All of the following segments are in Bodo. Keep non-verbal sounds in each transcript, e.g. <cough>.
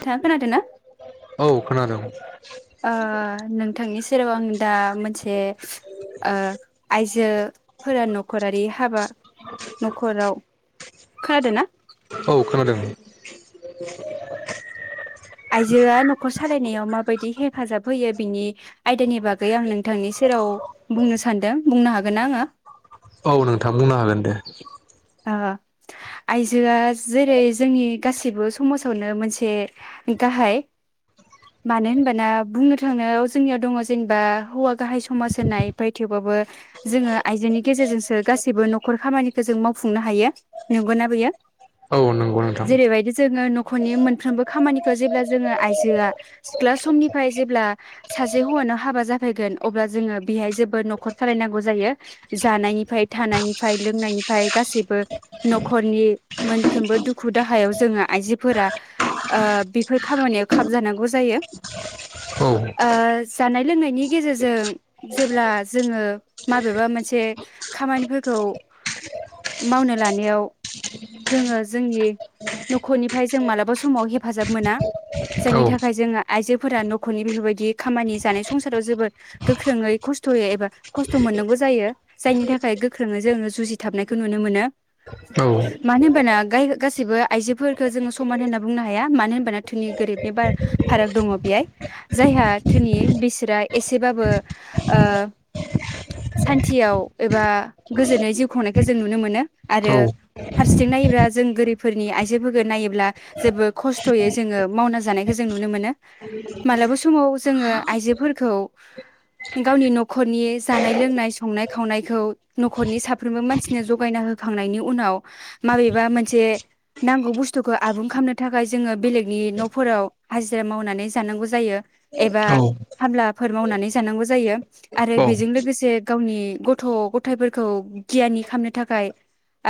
नोंथाङा खोनादोंना? औ खोनादों। ओ नोंथांनि सेराव आं दा मोनसे ओ आइजोफोरा नखरारि हाबा न'खराव खोनादों ना? औ खोनादों। आइजोआ फैयो बिनि आयदानि बागै आं नोंथांनि सेराव बुंनो सानदों बुंनो हागोन न आङो? औ नोंथां बुंनो हागोन दे। ओ आइजोआ जेरै जोंनि गासैबो समाजावनो मोनसे गाहाय मानो होनबाना बुंनो थांनायाव जोंनियाव दङ जेनेबा हौवा गाहाय समाज होननाय फाय थेवबाबो जोङो आइजोनि गेजेरजोंसो गाैबो न'खर खामानिखौ जों माव फुंनो हायो नंगोना बेयो? औ नोंथां। जेरैबायदि जोङो नखरनि मोनफ्रोमबो खामानिखौ जेब्ला जोङो आइजोआ सिख्ला समनिफ्राय जेब्ला सासे हौवानाव हाबा जाफैगोन अब्ला जोङो बेहाय जोद न'खर सालायनांगौ जायो जानायनिफ्राय थानायनिफ्राय लोंनायनिफ्राय। गासिबो न'खरनि मोनफ्रोमबो दुखु दाहायाव जोङो आइजोफोरा ओ बेफोर खामानियाव खाबजानांगौ जायो औ ओ जानाय लोंनायनि गेजेरजों जेब्ला जोङो माबेबा मोनसे खामानिफोरखौ मावनो लानायाव जोङो जोंनि न'खरनिफ्राय जों मालाबा समाव हेफाजाब मोना जायनि औ थाखाय जोङो आइजोफोरा न'खरनि बेफोरबायदि खामानि जानाय संसाराव जोबोद गोख्रोङै खस्थ'यै एबा खस्थ' मोननांगौ जायो जायनि थाखाय गोख्रोङै जोङो जुजिथाबनाय नुनो मोनो औ मानो होनबाना गाय गासैबो आइजोफोरफोरखौ जोङो समान होनना बुंनो। हाया मानो होनबाना थोंनि गोरिबनि बा फाराग दङ बेहाय जायहा थोंनि बिसोरा एसेबाबो ओ सान्थियाव एबा गोजोनै जिउ खुंनाय जों नुनो मोनो आरो औ फारसेथिं नायोब्ला जों गोरिबफोरनि आइजोफोरखौ नायोब्ला जोबो खस्थ'यै जोङो मावना जानायखौ जों नुनो मोनो मालाबा समाव जोङो आइजोफोरखौ गावनि न'खरनि जानाय लोंनाय संनाय- खावनायखौ न'खरनि साफ्रोमबो मानसि जगायना होखांनायनि उनाव माबेबा मोनसे नांगौ बुस्थुखौ आबुं खालामनो थाखाय जोङो बेलेगनि न'फोराव हाजिरा मावनानै जानांगौ जायो एबा औ खामलाफोर मावनानै जानांगौ जायो आरो औ बेजों लोगोसे गावनि गथ' गथायाइफोरखौ गियनि खामनो थाखाय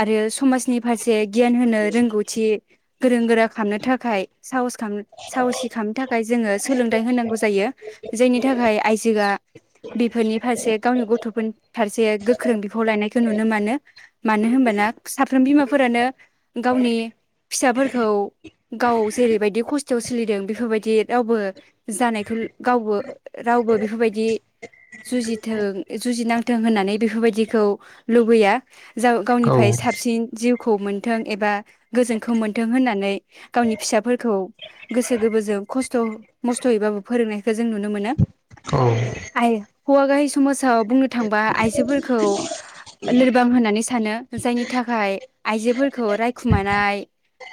आरो समाजनि फारसे गियान होनो रोंगौथि गोरों -गोरा खामनो थाखाय साहस साहसि खामनो थाखाय जोङो सोलोंथाइ होनांगौ जायो जायनि थाखाय आइजोआ बेफोरनि फारसे गावनि गथ'फोरनि फारसे गोख्रों बिफाव लायनायखौ नुनो मोनो। मानो होनबाना साफ्रोम बिमाफोरानो गावनि फिसाफोरखौ गाव जेरैबायदि खस्थ'आव सोलिदों बेफोरबायदि रावबो जानायखौ गावबो रावबो बेफोरबायदि जुजिथों जुजिनांथों होननानै बेफोरबायदिखौ लुबैया। जाव गावनिफ्राय साबसिन जिउखौ मोनथों एबा गोजोनखौ मोनथों होननानै गावनि फिसाफोरखौ गोसो गोबोरजों खस्थ' मस्थ'यैबाबो फोरोंनायखौ जों नुनो मोनो आ हौवा गाहि समाजाव बुंनो थांबा आइजोफोरखौ ल लोरबां होननानै सानो जायनि थाखाय आइजोफोरखौ रायखुमानाय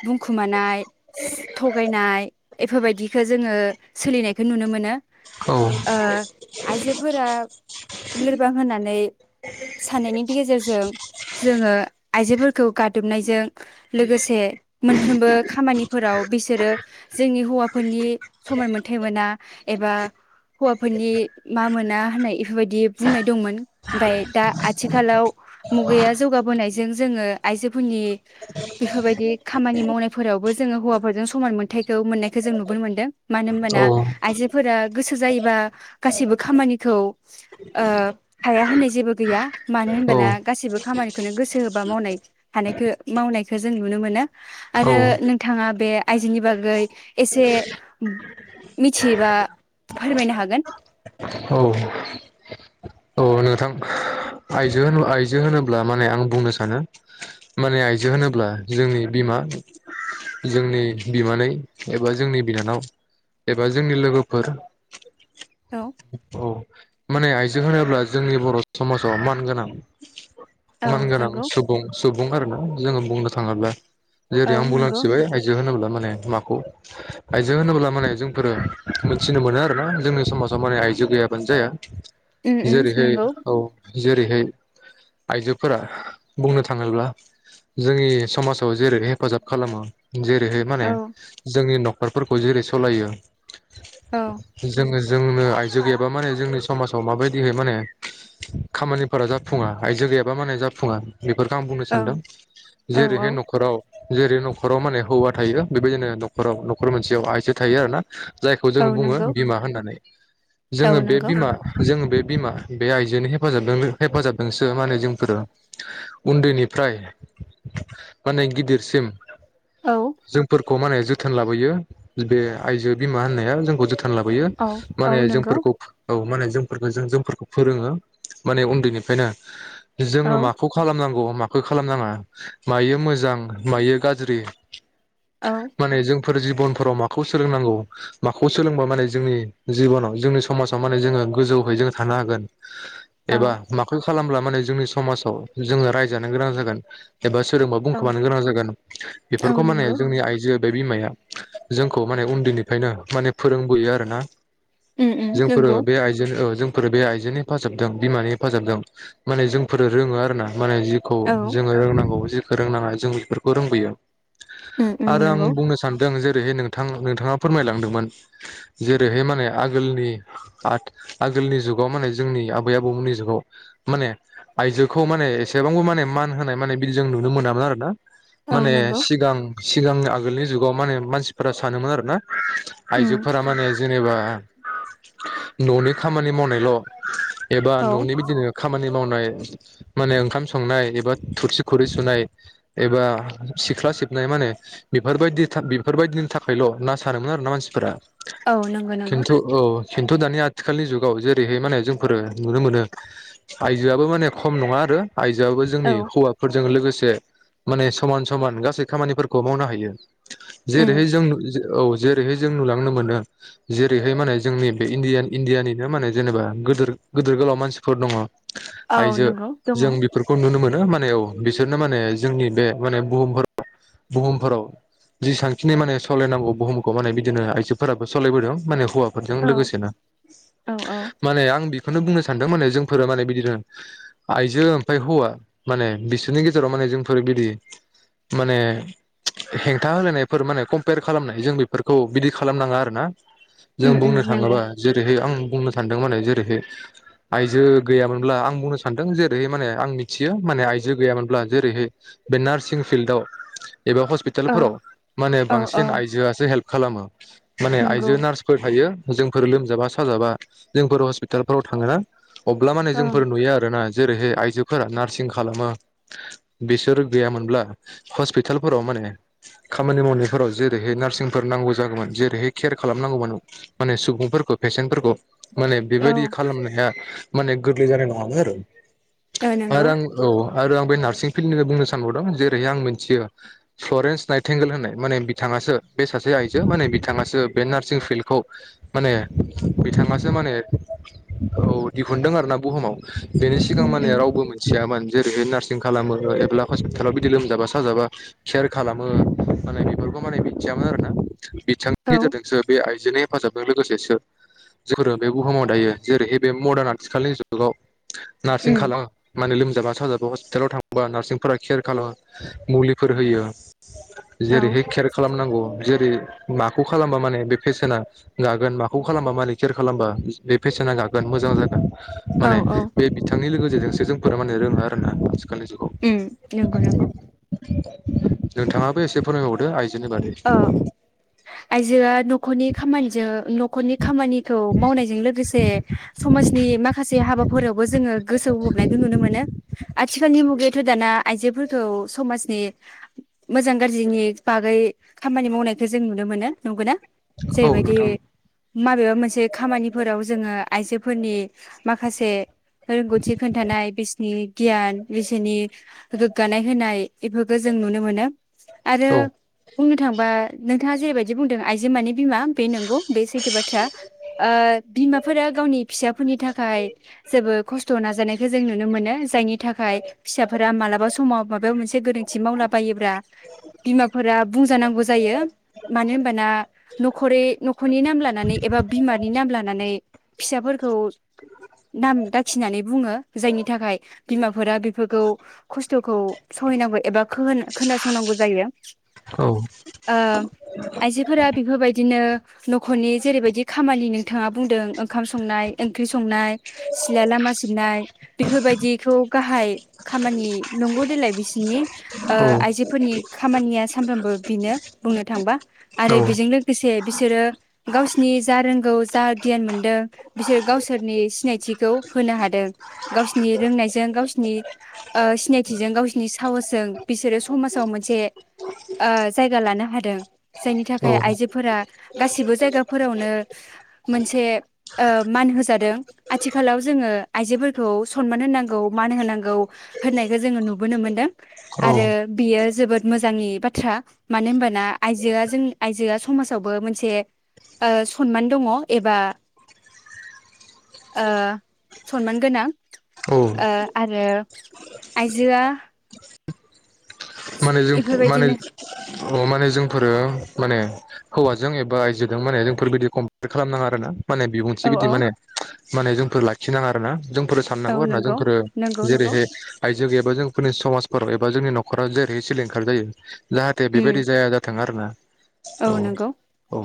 बुंखुमानाय थगायनाय ऐफोरबायदिखौ जोङो सोलिनायखौ नुनो मोनो ओ आइजोफोरा लोरबां होननानै साननायनि गेजेरजों। जों जोङो आइजोफोरखौ गादबनायजों लोगोसे मोनफ्रोमबो खामानिफोराव बिसोरो जोंनि हौवाफोरनि समान मोनथ मोना एबा हौवाफोरनि मा मोना होननाय बेफोरबायदि बुंनाय दंमोन ओमाय दा आथिखालाव। मुगाया जौगाबोनायजों जोङो आइजोफोरनि बेफोरबायदि खामानि मावनायफोरावबो जोङो हौवाफोरजों समान मोनथथायखौ मोननायखौ जों नुबोनो मोनदों मानो होनबाना आइजोफोरा गोसो जायोबा गाैबो खामानिखौ आ हाया होननाय जेबो गैया मानो होनबा ना गासिबो खामानिखौनो गोसो होबा मावनाय हानायखो मावनायखौ जों नुनो मोनो आरो औ औ नोंथाङा बे आइजोनि बागै एसे मिथियोबा फोरमायनो हागोन। औ औ नोंथां आइजो होन आइजो होनोब्ला माने आं बुंनो सानो माने आइजो होनोब्ला जोंनि बिमा जोंनि बिमानै एबा जोंनि बिनानाव एबा जोंनि लोगोफोर। औ। औ माने आइजो होनोब्ला जोंनि बर' समाजाव मान गोनां। औ मानगोनां नंगौ सुबुं-सुबुं आरो ना। जोङो बुंनो थाङोब्ला। जेरै औ आं नंगौ बुंलांसिबाय आयजो होनोब्ला म। माने माखौ आइजोें होनोब्ला माने जोंफोरो मिथिनो मोनो आरोना जोंनि समाजाव माने आयजो गैयाबानो जाया। उम उम जेरैहाय नंगौ औ। जेरैहाय आइजोफोरा बुंनो थाङोब्ला जोंनि समाजाव जेरै हेफाजाब खालामो। जेरैहाय माने औ जोंनि न बोरफोरखौ जेरै सालायो। औ जोङो। जोंनो आयजो गैयाबा माने <unintelligible> समाजाव माबायदिहै माने खामानिफोरा जाफुङा आयजो गैयाबा माने जाफुङा। बेफोरखौ आं बुंनो औ सानदों औ जेरैहाय न'खराव। जेरै न'खराव माने हौवा थायो बेबायदिनो न'खराव न'खर मोनसेयाव आइजो थायो आरो ना। जायखौ जों औ बुङो नंगौ बिमा होननानै औ जोङो बे नंगौ बिमा। जों बे बिमा बे आइजोनि हेफाजाब हेफाजाबजोंसो माने जोंफोरो उन्दैनिफ्राय माने गिदिरसिम औ जों खौ माने जोथोन लाबोयो बे आइजो बिमा होननाया जोंखौ जोथोन। लाबोयो औ औ माने नंगौ जोंफोरखौ औ माने जोंफोरखौ जों जोंफोरखौ फोरोङो माने उन्दैनिफ्रायना औ जोङो माखौ खालामनांगौ। माखो खालामनाङा मायो मोजां मायो गाज्रि। औ माने जों। फोर जिबनफोराव माखौ सोलोंनांगौ माखौ सोलोंबा माने जोंनि जिबनाव जोंनि समाजाव माने जोङो गोजौहै जों थानो हागोन औ एबा माखौ खालामब्ला माने जोंनि समाजाव जोङो रायजानो गोनां जागोन एबा सोरोंबा औ बुंखोमानो गोनां जागोन औ बेफोरखौ माने नंगौ जोंनि आइजो बे बिमाया जोंखौ माने उन्दैनिफ्रायनो माने फोरोंबोयो आरो ना उम उम नोंगौ औ जोंफोरो बे आइजो हिफाजाबदों बिमानि हेफाजाबदों माने जोंफोरो रोङो आरो ना- माने जिखौ औ जोङो रोंनांगौ फोरोंनाङा जों बेफोरखौ रोंबोयो। उम उम आरो आं नंगौ बुंनो सानदों जे जेरैहाय नोंथां नोंथाङा फोरमायलांदोंमोन जेरैहाय माने आगोलनि आ आगोलनि जुगाव माने जोंनि आबै आबौमोननि जुगाव माने आइजोखौ माने एसेबांबो माने मान होनाय माने बिदि जों नुनो मोनामोन आरो ना औ माने नंगौ सिगां सिगांनि आगोलनि जुगाव माने मानसिफोरा सानोमोन आरो ना उम आइजोफोरा माने जेनेबा <inaudible> न'नि खामानि मावनायल' एबा औ न'नि बिदिनो खामनि मावनाय माने ओंखाम संनाय एबा थुरसि खुरै सुनाय एबा सिख्ला सिबनाय माने बेफोरबायदि बेफोरबायदिनि थाखायल' ना सानोमोन आरो ना मानसिफोरा औ नंगौ नंगौ। खिन्थु औ खिन्थु दानिया आथिखालनि जुगाव जेरैहाय माने जोंफोरो नुनो मोनो आयजोआबो माने खम नङा आरो। आइजोआबो जोंनि औ हौवाफोरजों लोगोसे माने समान समान गासै खामानिफोरखौ मावनो हायो। जेरैहाय जों औ। जेरैहाय जों नुलांनो मोनो जेरैहाय माने जोंनि बे इण्डियान। इण्डियानिनो माने जेनेबाद गोदोर गोदोर गोलाव मानसिफोर दङ'। औ आयजो नंगौ दङ जों बेफोरखौ नुनो मोनो म बिसोरनो माने जोंनि बे माने बुहावफोराव बुहुमफोराव जिसांखिनि माने सालायनांगौ बुहुमखौ माने बिदिनो आइजोफोराबो सालायबोदों माने हौवा जों औ लोगोसेनो। औ औ। माने आं बेखौनो बुंनो सानदों माने जोंफोरो माने बिदिनो आइजो ओमफ्राय हौवा माने बिसोरनि गेजेराव माने जोंफोर बिदि माने हेंथा होलायनायफोर माने कम्पेयार खालामनाय जों बेफोरखौ बिदि खालामनाङा आरो ना। जों उम उम बुंनो नंगौ थाङोबा आं बुंनो सदों माने जेरैहै आइजो गैयामोनब्ला आं बुंनो सानदों जेरै माने आं मिथियो माने आइजो गैयामोनब्ला जेरैहाय बे नार्सिं फिल्डआव एबा औ हस्पिटालफोराव माने औ औ बांसिन आइजोआसो हेल्प खालामो। माने नंगौ आयजो नार्सफोर थायो। जों फोर लोमजाबा साजाबा जोंफोर हस्पिटालफोराव थाङोना? अब्ला माने औ जोंफोर नुयो आरोना। जेरैहाय आइजोफोरा नार्सिं खालाम बिसोर गैयामोनब्ला हस्पिटालफोराव माने खामानि मावनायफोराव जेरैहाय नार्सिंफोर नांगौ जागौमोन जेरैहाय केयार खालामनांगौमोन माने सुबुं फोरखौ फेसेनफोरखौ। माने औ बेबायदि खालामनाया माने गोरलै जानाय नङामोन आरो। ओ नंगौ आरो आं औ। आरो आं बे नार्सिं फिल्ड होन बुंनो सानबावदों जेरैहाय आं मिनथियो फ्लरेन्स नाइथेंगेल होननाय माने बिथाङासो बे सासे आइजो माने बिथाङासो बे नार्सिं फिल्डखौ माने बिथाङासो माने औ दिहुुनदों आरोना बुहुमाव। बेनि सिगां उम माने उम रावबो मोनथिया मानो जेरै नार्सिं खालामो एब्ला हस्पिटालाव बिदि लोमजाबा साजाबा केयार खालामो माने बेफोरखौ माने मिथियामोन आर ना। बिथांनि औ गेजेरजोंदोंसो बे आइ हेफाजाब। बे लोगोसेसो जिखुनो बे बुहुमाव दायो जेरैह बे मदार्न आथिखालनि जुगाव नार्सिं उम खालाम मानोम सजाबा साजाबा हस्पिटालाव थांबा नार्सिंफोरा केयार खालामो मुलिफोर होयो। औ जेरैहाय केयार खालामनांगौ जेरै माखौ खालामबा माने बे फेसना जागोन माखौ खालामबा माल केयार खालामबा बे पेसेना जागोन मोजां जागोन औ माने औ बे बिथांनि गेजेरजोंसो जोंफोरा माने रोंङो आरोना खोलि जुगाव उम नंगौ नंगौ जों थांङाबो एसे फोरोंबावदो आइ अ आइजोआ नखरनि खामानिजों नखरनि खामानिखौ मावनायजों लोगोसे समाजनि माखासे हाबाफोरावबो जोंङो गोसो हमनायखौ नुनो मोनो आथिखालनि मुगायावथ दाना आइजोफोरखौ समाजनि मोजां गाज्रिनि बागै खामानि मावनायखौ जों नुनो मोनो नंगौ ना? औ जायबायदि नोंथां माबेबा मोनसे खामानिफोराव जोंङो आइजोफोरनि माखासे रोंगौथि खोन्थानाय बिसिनि गियान बिसोनि गोग्गानाय होनाय। इफोरखो जों नुनो मोनो आरो। औ बुंनो थांबा नोंथाङा जे बायदि बुंदों आइजो माने बिमा बे नोंगौ बे सैथो बाथ्रा ओ बिमाफोरा गावनि फिसाफोरनि थाखाय जेबो खस्थ‌नाजानायखौ जों नुनो मोनो जायनि थाखाय फिसाफोरा मालाबा समाव माबायाव मोनस से गोरोंथि मावला बायोब्रा बिमाफोराब बुंजानांगौ जायो मानो होनबाना नखरै नखरनि नाम लानानै एबा बिमानि नाम लानानै फिसाफोरखौ नाम दाखिनानै बुंङो जायनि थाखाय बिमाफोरा बेफोरखौ खस्थखौ सहायनांगौ एबा खोन खोनासंनांगौ जायो। औ ओ आइजोफोरा बेफोबायदिनो। नखनि जेरैबायदि खामानि नोंथाङा बुंदों ओंखाम संनाय ओंख्रि संनाय। सिला लामा सिबनाय बेफोरबायदिखौब गाहाय खामानि नंगौ देलाय बिस सिनि ओ औ आइजोफोरनि खामानिया सानफ्रामबोब बिनो बुंनो थांबा आरो बेजों लोगोसे बिसोरो गावसिनि जा रोंगौ जा गियान मोनदों बिसोरो गावसोरनि सिनायथिखौ होनो हादों गावसिनि रोंनायजों गावसिनि ओ सिनायथिजों गावसिनि साहसजों बिसोरो समाजाव मोनसे ओज जायगा लानो हादों जायनि औ थाखाय आइजोफोरा गासिबो जायगाफोरावनो मोनसे ओ मान होजादों आथिखालाव जोंङो आइजोफोरखौ सनमान होनांगौ मान होनांगौ होननायखो जोंङो नुबोनो मोनदों औ आरो बियो जोबोद मोजांनि बाथ्रा। मानो होनबाना आइजोआ जों आइजोआ समाजावबो मोनसे ओ सनमान दङ एबा ओ सनमान गोनां औ ओ आरो आइजोआ। माने जों माने इफोरबायदिनो अ माने जोंफोरो माने हौवाजों एबा आयजोजों माने जोंफोरबादि कमपेर खालाम नांङा आरो ना। माने बिबुंथि औ बिदि औ माने। माने जोंफोर लाखिनांङा आरो ना जोंफ फोरो औ साननांगौ आरो ना नंगौ जोंफोरो नंगौ नंगौ जेरैहाय आइजो गैयाबा जोंफोरनि समाज खर एब जोंनि नराव जे बे सिलिंखार जायो। जाहाथे बेबादि उम जाया जाथों आरो ना। औ औ।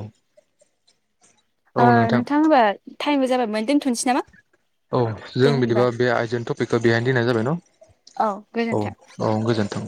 ओ नोंथां होमबा टाइमबो जाबाय मोन दोन थनसै नामा। औ जों दे होनबा बिदिबा बे आइजोनि टपिकखौ बेहायनो दोननाय जाबाय न औ गोजोन्थों। औ औ गोजोन्थों।